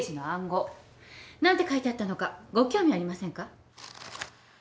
何て書いてあったのかご興味ありませんか？